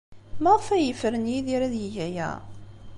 Maɣef ay yefren Yidir ad yeg aya?